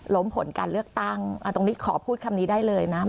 ผลการเลือกตั้งตรงนี้ขอพูดคำนี้ได้เลยนะ